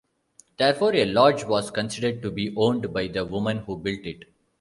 Therefore, a lodge was considered to be owned by the woman who built it.